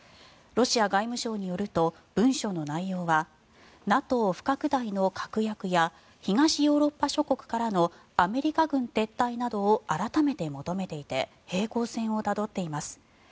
ロシア外務省によると文書の内容はＮＡＴＯ不拡大の確約や東ヨーロッパ諸国からのアメリカ軍撤退などを改めて求めていて平行線をたどっています。